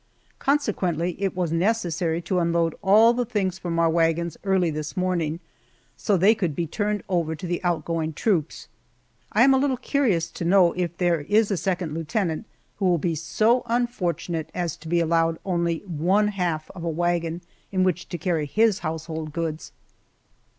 Consequently, it was necessary to unload all the things from our wagons early this morning, so they could be turned over to the outgoing troops. I am a little curious to know if there is a second lieutenant who will be so unfortunate as to be allowed only one half of a wagon in which to carry his household goods.